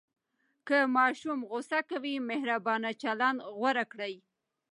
که ماشوم غوصه کوي، مهربانه چلند غوره کړئ.